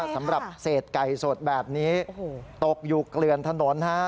สำหรับเศษไก่สดแบบนี้ตกอยู่เกลือนถนนฮะ